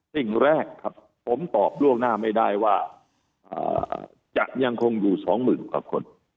สิ่งแรกครับผมตอบล่วงหน้าไม่ได้ว่าจะยังคงอยู่สองหมื่นกว่าคน